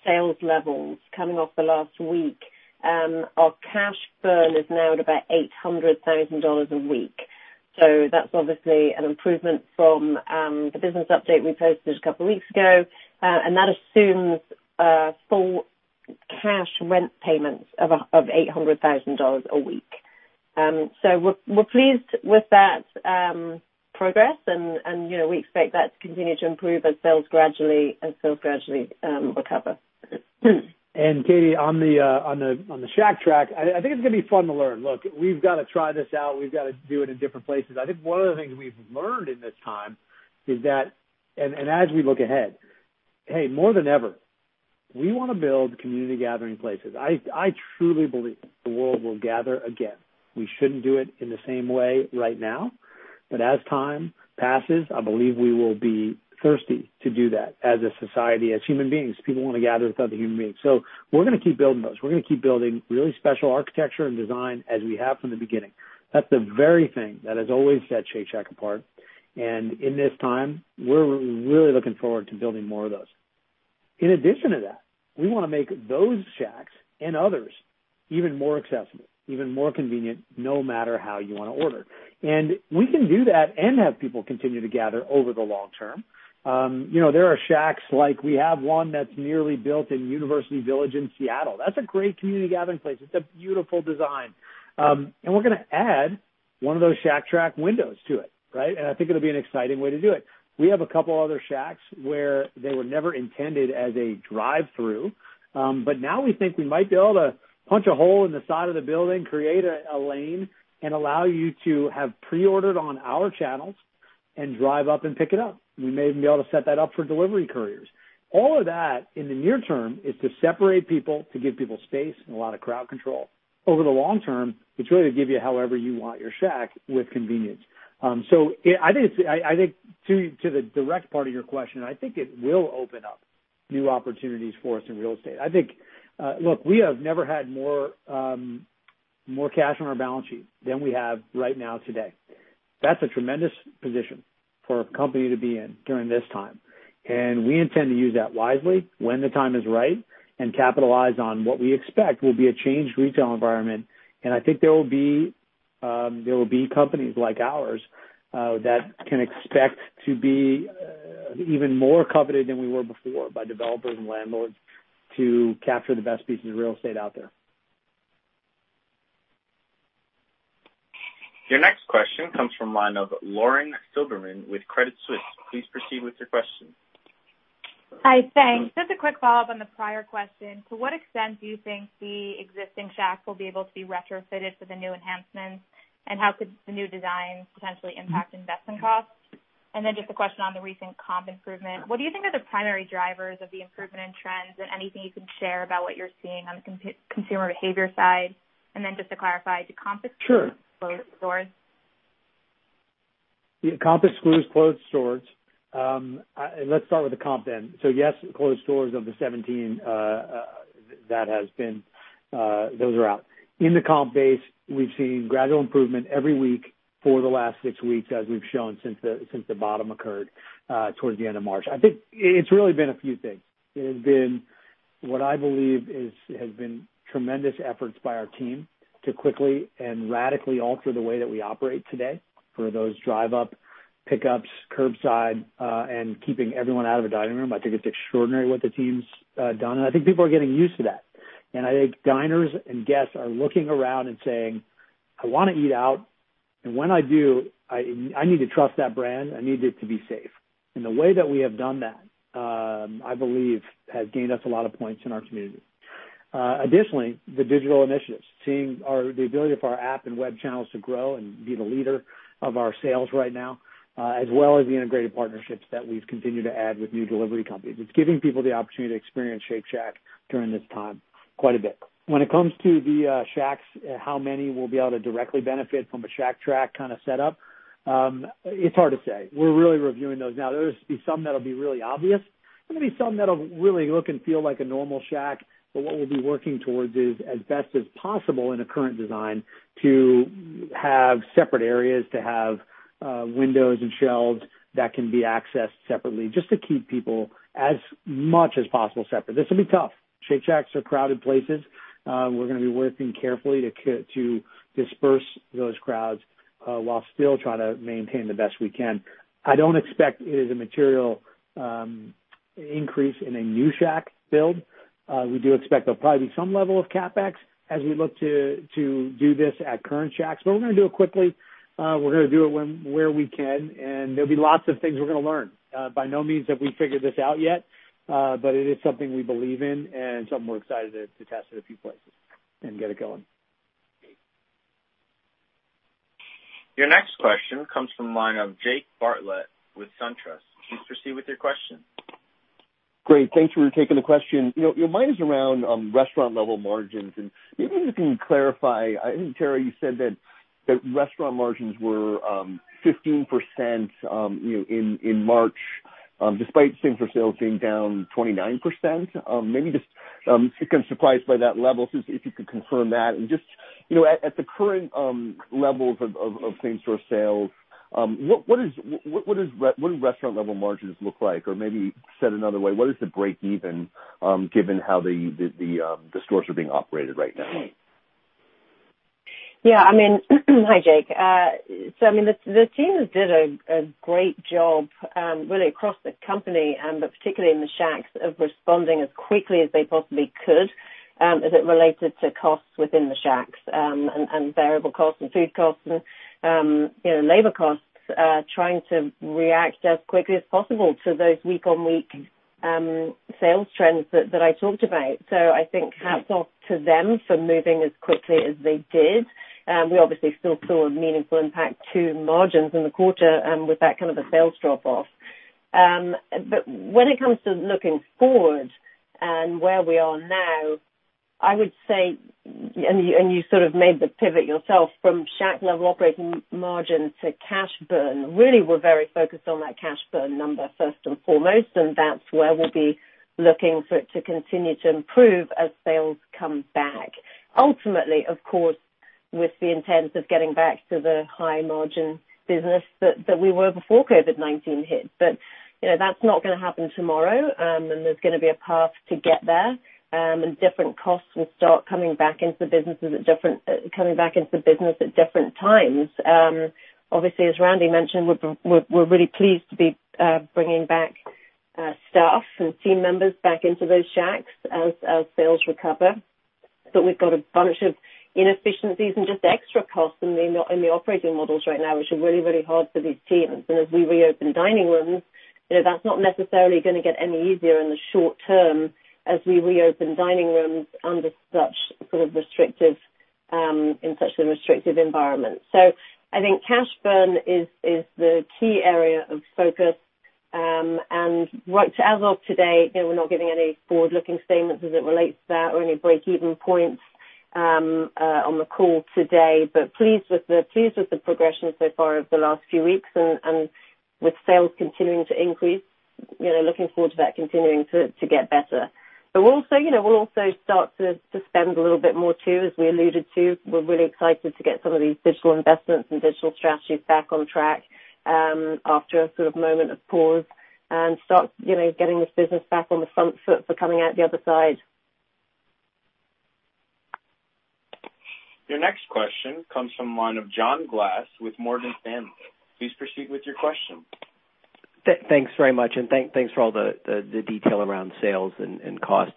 sales levels coming off the last week, our cash burn is now at about $800,000 a week. That's obviously an improvement from the business update we posted a couple of weeks ago. That assumes full cash rent payments of $800,000 a week. We're pleased with that progress and we expect that to continue to improve as sales gradually recover. Katie, on the Shack Track, I think it's going to be fun to learn. Look, we've got to try this out. We've got to do it in different places. I think one of the things we've learned in this time is that, and as we look ahead, hey, more than ever, we want to build community gathering places. I truly believe the world will gather again. We shouldn't do it in the same way right now. As time passes, I believe we will be thirsty to do that as a society, as human beings. People want to gather with other human beings. We're going to keep building those. We're going to keep building really special architecture and design as we have from the beginning. That's the very thing that has always set Shake Shack apart, and in this time, we're really looking forward to building more of those. In addition to that, we want to make those Shacks and others even more accessible, even more convenient, no matter how you want to order. We can do that and have people continue to gather over the long term. There are Shacks like we have one that's nearly built in University Village in Seattle. That's a great community gathering place. It's a beautiful design. We're going to add one of those Shack Track windows to it. Right? I think it'll be an exciting way to do it. We have a couple other Shacks where they were never intended as a drive-thru. Now we think we might be able to punch a hole in the side of the building, create a lane, and allow you to have pre-ordered on our channels and drive up and pick it up. We may even be able to set that up for delivery couriers. All of that in the near term is to separate people, to give people space, and a lot of crowd control. Over the long term, it's really to give you however you want your Shack with convenience. I think to the direct part of your question, I think it will open up new opportunities for us in real estate. Look, we have never had more cash on our balance sheet than we have right now today. That's a tremendous position for a company to be in during this time, and we intend to use that wisely when the time is right and capitalize on what we expect will be a changed retail environment. I think there will be companies like ours that can expect to be even more coveted than we were before by developers and landlords to capture the best pieces of real estate out there. Your next question comes from the line of Lauren Silberman with Credit Suisse. Please proceed with your question. Hi. Thanks. Just a quick follow-up on the prior question. To what extent do you think the existing Shacks will be able to be retrofitted for the new enhancements? How could the new designs potentially impact investment costs? Just a question on the recent comp improvement. What do you think are the primary drivers of the improvement in trends and anything you can share about what you're seeing on the consumer behavior side? Just to clarify, do comps include closed stores? Yeah. Comp includes closed stores. Let's start with the comp then. Yes, closed stores of the 17, those are out. In the comp base, we've seen gradual improvement every week for the last six weeks, as we've shown since the bottom occurred towards the end of March. I think it's really been a few things. It has been what I believe has been tremendous efforts by our team to quickly and radically alter the way that we operate today for those drive up pickups, curbside, and keeping everyone out of the dining room. I think it's extraordinary what the team's done, and I think people are getting used to that. I think diners and guests are looking around and saying, "I want to eat out, and when I do, I need to trust that brand. I need it to be safe." The way that we have done that, I believe, has gained us a lot of points in our community. Additionally, the digital initiatives, seeing the ability for our app and web channels to grow and be the leader of our sales right now, as well as the integrated partnerships that we've continued to add with new delivery companies. It's giving people the opportunity to experience Shake Shack during this time quite a bit. When it comes to the Shacks, how many will be able to directly benefit from a Shack Track kind of setup? It's hard to say. We're really reviewing those now. There will be some that'll be really obvious. There are going to be some that'll really look and feel like a normal Shack. What we'll be working towards is, as best as possible in a current design, to have separate areas, to have windows and shelves that can be accessed separately, just to keep people as much as possible separate. This will be tough. Shake Shacks are crowded places. We're going to be working carefully to disperse those crowds, while still trying to maintain the best we can. I don't expect it is a material increase in a new Shack build. We do expect there'll probably be some level of CapEx as we look to do this at current Shacks, but we're going to do it quickly. We're going to do it where we can, and there'll be lots of things we're going to learn. By no means have we figured this out yet, but it is something we believe in and something we're excited to test in a few places and get it going. Your next question comes from the line of Jake Bartlett with SunTrust. Please proceed with your question. Great. Thanks for taking the question. Mine is around restaurant level margins, and maybe if you can clarify. I think, Tara, you said that restaurant margins were 15% in March, despite same store sales being down 29%. Maybe just kind of surprised by that level. If you could confirm that. Just at the current levels of same store sales, what do restaurant level margins look like? Maybe said another way, what is the break even, given how the stores are being operated right now? Yeah. Hi, Jake. The team has did a great job, really across the company, but particularly in the Shacks, of responding as quickly as they possibly could as it related to costs within the Shacks, and variable costs and food costs and labor costs, trying to react as quickly as possible to those week-on-week sales trends that I talked about. I think hats off to them for moving as quickly as they did. We obviously still saw a meaningful impact to margins in the quarter with that kind of a sales drop-off. When it comes to looking forward and where we are now I would say, you sort of made the pivot yourself from Shack-level operating margin to cash burn, really, we're very focused on that cash burn number first and foremost, and that's where we'll be looking for it to continue to improve as sales come back. Ultimately, of course, with the intent of getting back to the high margin business that we were before COVID-19 hit. That's not going to happen tomorrow, and there's going to be a path to get there, and different costs will start coming back into the business at different times. Obviously, as Randy mentioned, we're really pleased to be bringing back staff and team members back into those Shacks as sales recover. We've got a bunch of inefficiencies and just extra costs in the operating models right now, which are really hard for these teams. As we reopen dining rooms, that's not necessarily going to get any easier in the short term as we reopen dining rooms in such a restrictive environment. I think cash burn is the key area of focus. Right as of today, we're not giving any forward-looking statements as it relates to that or any breakeven points on the call today, but pleased with the progression so far over the last few weeks and with sales continuing to increase, looking forward to that continuing to get better. We'll also start to spend a little bit more too, as we alluded to. We're really excited to get some of these digital investments and digital strategies back on track after a sort of moment of pause and start getting this business back on the front foot for coming out the other side. Your next question comes from the line of John Glass with Morgan Stanley. Please proceed with your question. Thanks very much, and thanks for all the detail around sales and costs.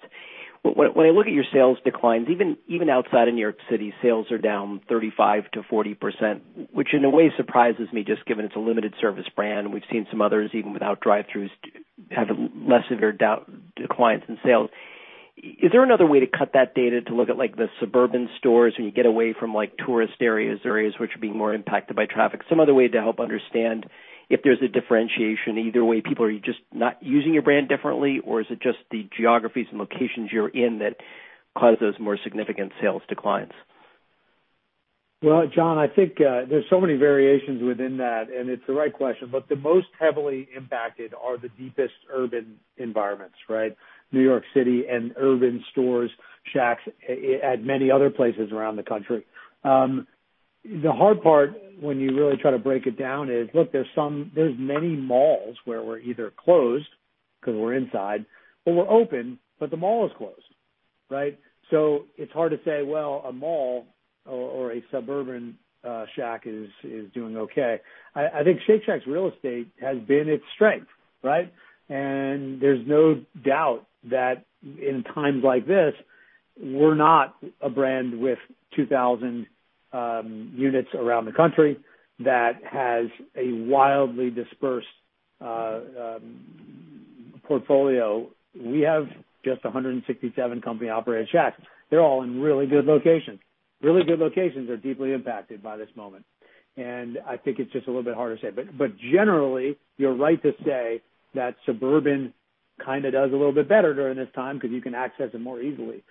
When I look at your sales declines, even outside of New York City, sales are down 35%-40%, which in a way surprises me, just given it's a limited service brand. We've seen some others, even without drive-throughs, have lesser declines in sales. Is there another way to cut that data to look at the suburban stores when you get away from tourist areas which are being more impacted by traffic, some other way to help understand if there's a differentiation either way? People are just not using your brand differently, or is it just the geographies and locations you're in that cause those more significant sales declines? John, I think there's so many variations within that, and it's the right question, but the most heavily impacted are the deepest urban environments, right? New York City and urban stores, Shacks at many other places around the country. The hard part when you really try to break it down is, look, there's many malls where we're either closed because we're inside or we're open, but the mall is closed, right? It's hard to say, well, a mall or a suburban Shack is doing okay. I think Shake Shack's real estate has been its strength, right? There's no doubt that in times like this, we're not a brand with 2,000 units around the country that has a wildly dispersed portfolio. We have just 167 company-operated Shacks. They're all in really good locations. Really good locations are deeply impacted by this moment. I think it's just a little bit harder to say. Generally, you're right to say that suburban kind of does a little bit better during this time because you can access it more easily.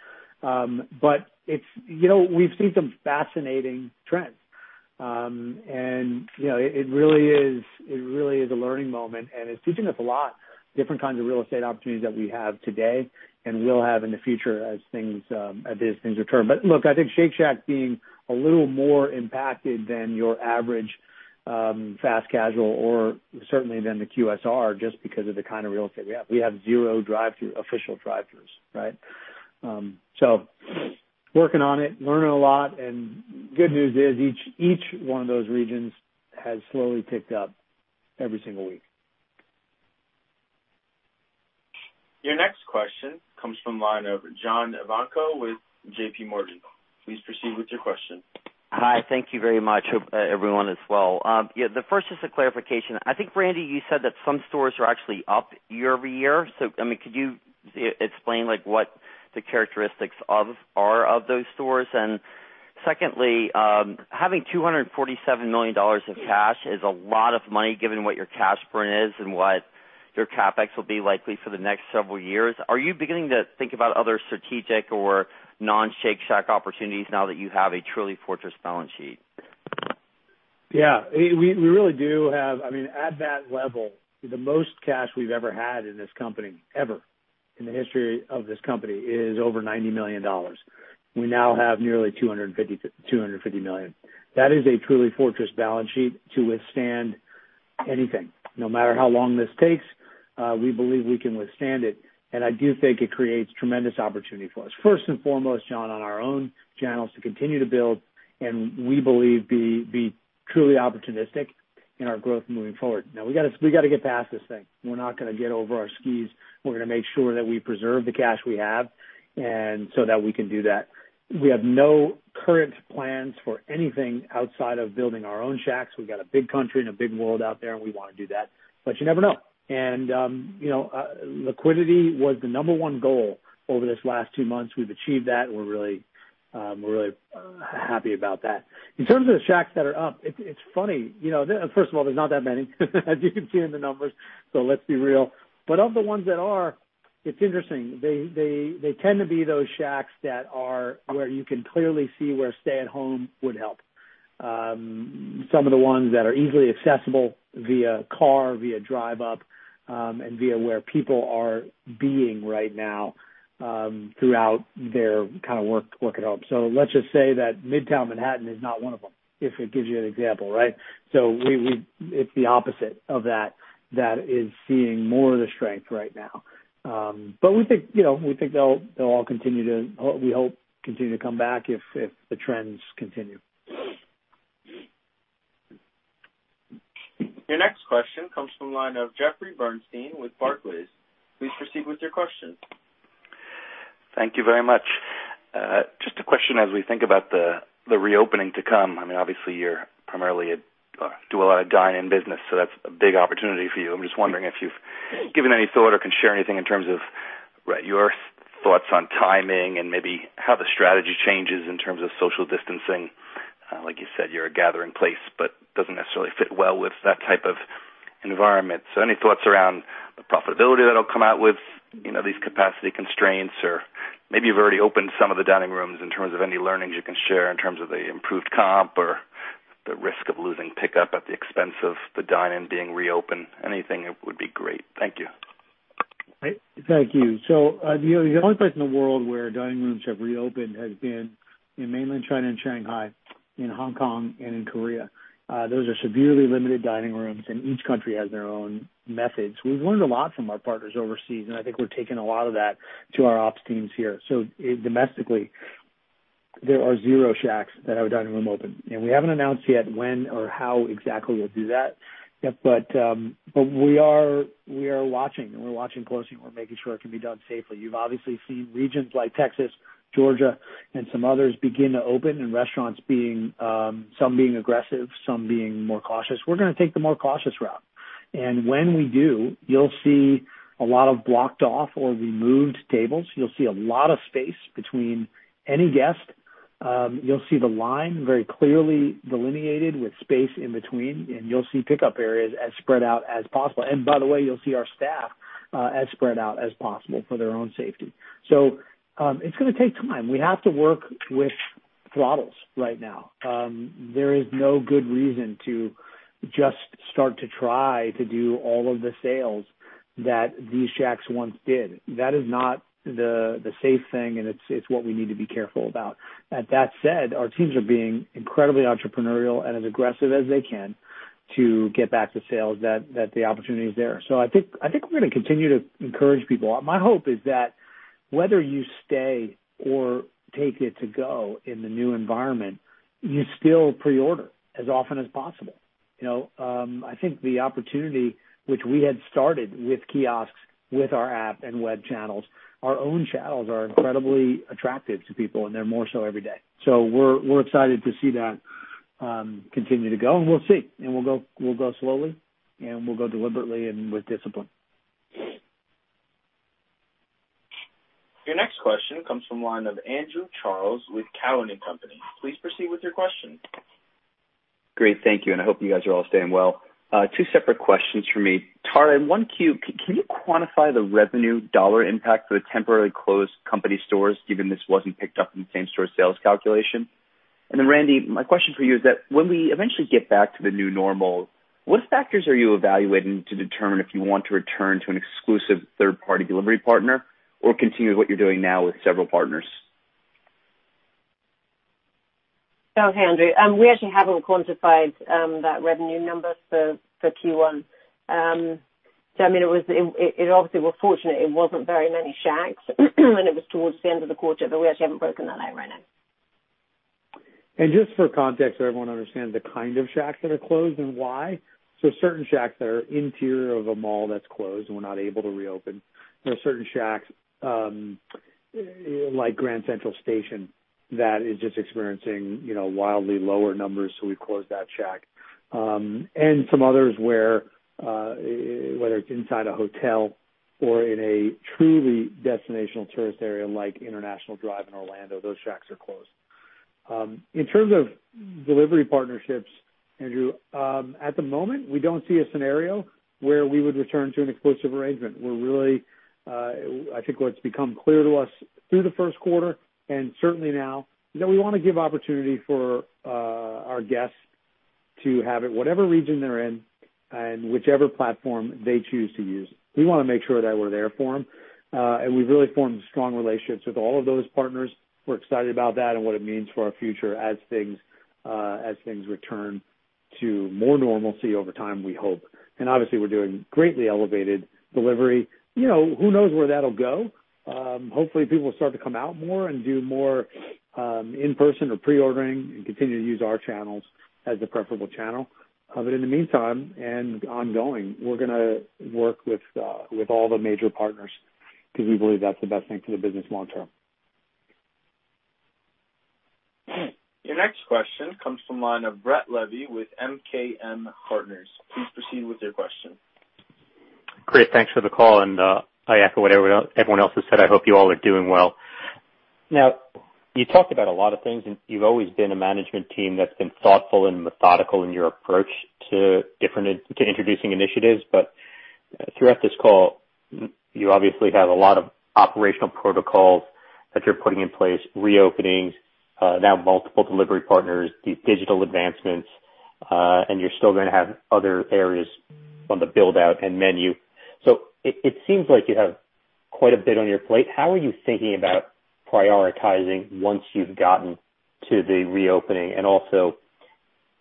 We've seen some fascinating trends, and it really is a learning moment, and it's teaching us a lot, different kinds of real estate opportunities that we have today and will have in the future as things return. Look, I think Shake Shack being a little more impacted than your average fast casual or certainly than the QSR just because of the kind of real estate we have. We have zero official drive-throughs, right? Working on it, learning a lot, and good news is each one of those regions has slowly picked up every single week. Your next question comes from the line of John Ivankoe with JPMorgan. Please proceed with your question. Hi. Thank you very much, everyone, as well. Yeah, the first is a clarification. I think, Randy, you said that some stores are actually up year-over-year. Could you explain what the characteristics are of those stores? Secondly, having $247 million of cash is a lot of money, given what your cash burn is and what your CapEx will be likely for the next several years. Are you beginning to think about other strategic or non-Shake Shack opportunities now that you have a truly fortress balance sheet? Yeah. At that level, the most cash we've ever had in this company, ever in the history of this company, is over $90 million. We now have nearly $250 million. That is a truly fortress balance sheet to withstand anything. No matter how long this takes, we believe we can withstand it, and I do think it creates tremendous opportunity for us. First and foremost, John, on our own channels to continue to build, and we believe be truly opportunistic in our growth moving forward. Now, we got to get past this thing. We're not going to get over our skis. We're going to make sure that we preserve the cash we have, and so that we can do that. We have no current plans for anything outside of building our own Shacks. We got a big country and a big world out there, and we want to do that, but you never know. Liquidity was the number one goal over these last two months. We've achieved that, and I'm really happy about that. In terms of the Shacks that are up, it's funny. First of all, there's not that many, as you can see in the numbers, so let's be real. Of the ones that are, it's interesting. They tend to be those Shacks where you can clearly see where stay-at-home would help. Some of the ones that are easily accessible via car, via drive up, and via where people are being right now, throughout their work at home. Let's just say that Midtown Manhattan is not one of them, if it gives you an example, right? It's the opposite of that is seeing more of the strength right now. We think they'll all continue to, we hope, come back if the trends continue. Your next question comes from the line of Jeffrey Bernstein with Barclays. Please proceed with your question. Thank you very much. Just a question as we think about the reopening to come. Obviously you primarily do a lot of dine-in business, so that's a big opportunity for you. I'm just wondering if you've given any thought or can share anything in terms of your thoughts on timing and maybe how the strategy changes in terms of social distancing. Like you said, you're a gathering place, but it doesn't necessarily fit well with that type of environment. Any thoughts around the profitability that'll come out with these capacity constraints, or maybe you've already opened some of the dining rooms in terms of any learnings you can share in terms of the improved comp or the risk of losing pickup at the expense of the dine-in being reopened. Anything would be great. Thank you. Thank you. The only place in the world where dining rooms have reopened has been in Mainland China and Shanghai, in Hong Kong and in Korea. Those are severely limited dining rooms, and each country has their own methods. We've learned a lot from our partners overseas, and I think we're taking a lot of that to our ops teams here. Domestically, there are zero Shacks that have a dining room open, and we haven't announced yet when or how exactly we'll do that. We are watching, and we're watching closely, and we're making sure it can be done safely. You've obviously seen regions like Texas, Georgia, and some others begin to open and restaurants, some being aggressive, some being more cautious. We're going to take the more cautious route. When we do, you'll see a lot of blocked off or removed tables. You'll see a lot of space between any guest. You'll see the line very clearly delineated with space in between, and you'll see pickup areas as spread out as possible. By the way, you'll see our staff as spread out as possible for their own safety. It's going to take time. We have to work with throttles right now. There is no good reason to just start to try to do all of the sales that these Shacks once did. That is not the safe thing, and it's what we need to be careful about. That said, our teams are being incredibly entrepreneurial and as aggressive as they can to get back to sales that the opportunity is there. I think we're going to continue to encourage people. My hope is that whether you stay or take it to go in the new environment, you still pre-order as often as possible. I think the opportunity, which we had started with kiosks, with our app and web channels, our own channels are incredibly attractive to people, and they're more so every day. We're excited to see that continue to go, and we'll see. We'll go slowly, and we'll go deliberately and with discipline. Your next question comes from the line of Andrew Charles with Cowen and Company. Please proceed with your question. Great, thank you, and I hope you guys are all staying well. Two separate questions from me. Tara, in 1Q, can you quantify the revenue dollar impact for the temporarily closed company stores, given this wasn't picked up in the Same-Shack sales calculation? Randy, my question for you is that when we eventually get back to the new normal, what factors are you evaluating to determine if you want to return to an exclusive third-party delivery partner or continue with what you're doing now with several partners? Oh, hey, Andrew. We actually haven't quantified that revenue number for Q1. It obviously was fortunate it wasn't very many Shacks, and it was towards the end of the quarter, but we actually haven't broken that out right now. Just for context, so everyone understands the kind of Shacks that are closed and why. Certain Shacks that are interior of a mall that's closed and we're not able to reopen. There are certain Shacks, like Grand Central Station that is just experiencing wildly lower numbers, so we closed that Shack. Some others where, whether it's inside a hotel or in a truly destinational tourist area like International Drive in Orlando, those Shacks are closed. In terms of delivery partnerships, Andrew, at the moment, we don't see a scenario where we would return to an exclusive arrangement. I think what's become clear to us through the first quarter, and certainly now, is that we want to give opportunity for our guests to have it whatever region they're in and whichever platform they choose to use. We want to make sure that we're there for them. We've really formed strong relationships with all of those partners. We're excited about that and what it means for our future as things return to more normalcy over time, we hope. Obviously, we're doing greatly elevated delivery. Who knows where that'll go? Hopefully, people will start to come out more and do more in-person or pre-ordering and continue to use our channels as the preferable channel. In the meantime, and ongoing, we're going to work with all the major partners because we believe that's the best thing for the business long term. Your next question comes from the line of Brett Levy with MKM Partners. Please proceed with your question. Chris, thanks for the call, and I echo whatever everyone else has said. I hope you all are doing well. Now, you talked about a lot of things, and you've always been a management team that's been thoughtful and methodical in your approach to introducing initiatives. Throughout this call, you obviously have a lot of operational protocols that you're putting in place, reopenings, now multiple delivery partners, digital advancements, and you're still going to have other areas on the build-out and menu. It seems like you have quite a bit on your plate. How are you thinking about prioritizing once you've gotten to the reopening? Also,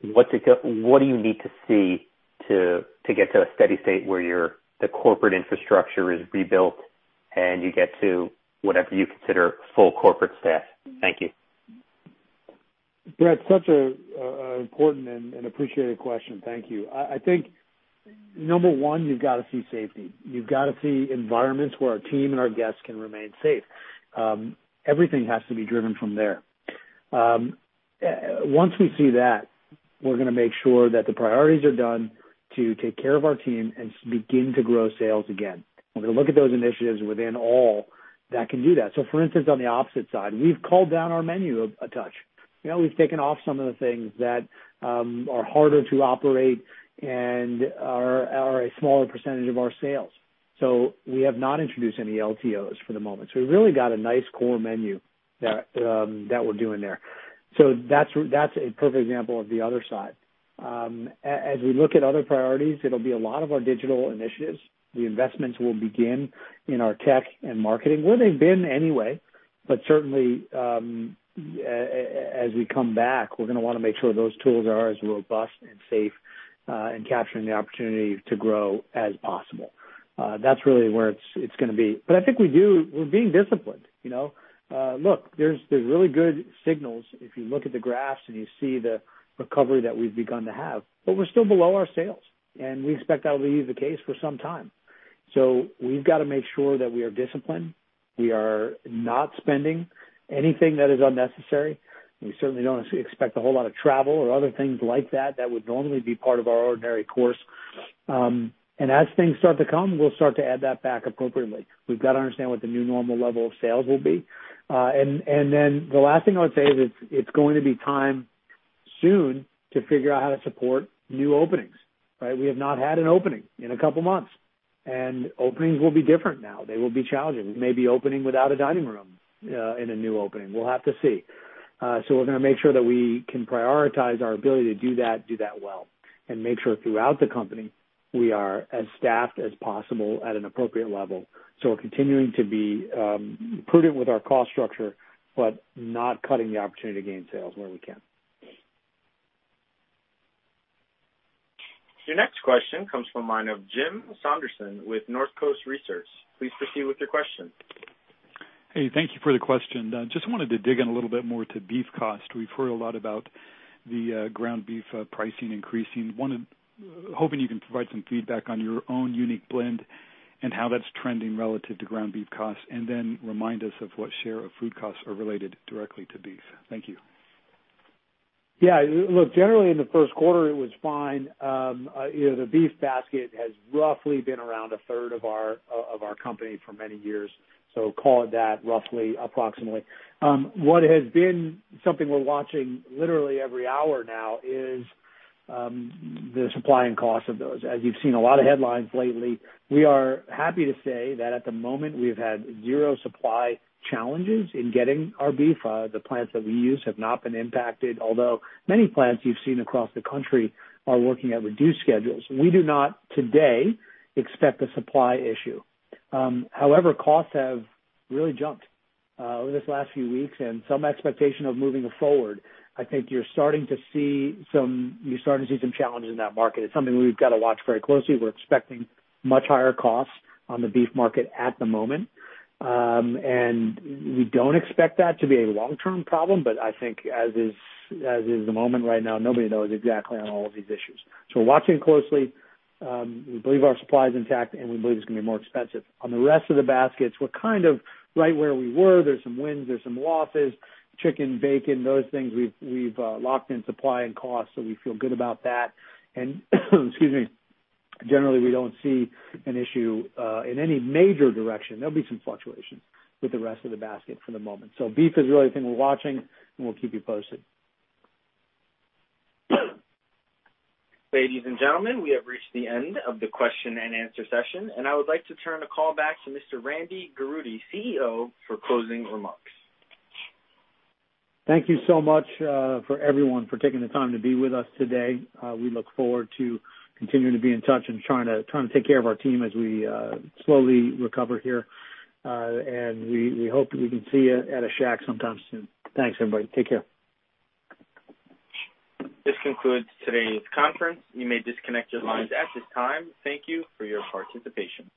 what do you need to see to get to a steady state where the corporate infrastructure is rebuilt and you get to whatever you consider full corporate staff? Thank you. Brett, such an important and appreciated question. Thank you. I think number one, you've got to see safety. You've got to see environments where our team and our guests can remain safe. Everything has to be driven from there. Once we see that, we're going to make sure that the priorities are done to take care of our team and begin to grow sales again. We're going to look at those initiatives within all that can do that. For instance, on the opposite side, we've culled down our menu a touch. We've taken off some of the things that are harder to operate and are a smaller percentage of our sales. We have not introduced any LTOs for the moment. We've really got a nice core menu that we're doing there. That's a perfect example of the other side. As we look at other priorities, it'll be a lot of our digital initiatives. The investments will begin in our tech and marketing, where they've been anyway. Certainly, as we come back, we're going to want to make sure those tools are as robust and safe in capturing the opportunity to grow as possible. That's really where it's going to be. I think we're being disciplined. Look, there's really good signals if you look at the graphs and you see the recovery that we've begun to have, but we're still below our sales, and we expect that'll be the case for some time. We've got to make sure that we are disciplined. We are not spending anything that is unnecessary. We certainly don't expect a whole lot of travel or other things like that that would normally be part of our ordinary course. As things start to come, we'll start to add that back appropriately. We've got to understand what the new normal level of sales will be. The last thing I would say is it's going to be time soon to figure out how to support new openings. Right? We have not had an opening in a couple of months, and openings will be different now. They will be challenging. It may be opening without a dining room in a new opening. We'll have to see. We're going to make sure that we can prioritize our ability to do that, do that well, and make sure throughout the company, we are as staffed as possible at an appropriate level. We're continuing to be prudent with our cost structure, but not cutting the opportunity to gain sales where we can. Your next question comes from the line of Jim Sanderson with Northcoast Research. Please proceed with your question. Hey, thank you for the question. Just wanted to dig in a little bit more to beef cost. We've heard a lot about the ground beef pricing increasing. Hoping you can provide some feedback on your own unique blend and how that's trending relative to ground beef costs, and then remind us of what share of food costs are related directly to beef. Thank you. Yeah. Look, generally in the first quarter, it was fine. The beef basket has roughly been around a third of our company for many years, so call it that roughly, approximately. What has been something we're watching literally every hour now is the supply and cost of those. As you've seen a lot of headlines lately, we are happy to say that at the moment, we've had zero supply challenges in getting our beef. The plants that we use have not been impacted, although many plants you've seen across the country are working at reduced schedules. We do not today expect a supply issue. However, costs have really jumped over this last few weeks and some expectation of moving forward. I think you're starting to see some challenges in that market. It's something we've got to watch very closely. We're expecting much higher costs on the beef market at the moment. We don't expect that to be a long-term problem, but I think as is the moment right now, nobody knows exactly on all of these issues. We're watching closely. We believe our supply is intact, and we believe it's going to be more expensive. On the rest of the baskets, we're kind of right where we were. There's some wins, there's some losses. Chicken, bacon, those things, we've locked in supply and cost, so we feel good about that. Excuse me. Generally, we don't see an issue in any major direction. There'll be some fluctuations with the rest of the basket for the moment. Beef is really the thing we're watching, and we'll keep you posted. Ladies and gentlemen, we have reached the end of the question and answer session. I would like to turn the call back to Mr. Randy Garutti, CEO, for closing remarks. Thank you so much for everyone for taking the time to be with us today. We look forward to continuing to be in touch and trying to take care of our team as we slowly recover here. We hope we can see you at a Shack sometime soon. Thanks, everybody. Take care. This concludes today's conference. You may disconnect your lines at this time. Thank you for your participation.